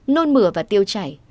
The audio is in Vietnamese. nôn mửa và tiêu chảy